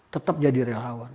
tetap jadi relawan